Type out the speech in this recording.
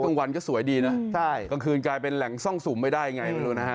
กลางวันก็สวยดีนะกลางคืนกลายเป็นแหล่งซ่องสุ่มไปได้ไง